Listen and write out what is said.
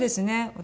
私